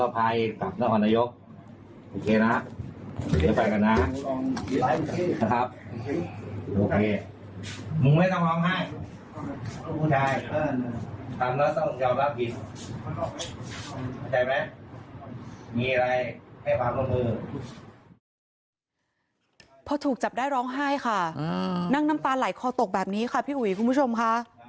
พอถูกจับได้ร้องไห้ค่ะนั่งน้ำตาไหลคอตกแบบนี้ค่ะพี่อุ๋ยคุณผู้ชมค่ะ